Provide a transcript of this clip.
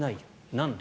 なんで？